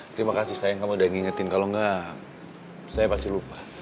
terima kasih sayang kamu udah ngingetin kalau enggak saya pasti lupa